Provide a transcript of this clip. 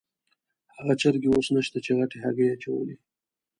هغه چرګې اوس نشته چې غټې هګۍ یې اچولې.